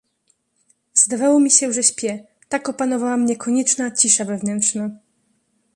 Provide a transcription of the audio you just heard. "Zdawało mi się, że śpię, tak opanowała mnie konieczna cisza wewnętrzna."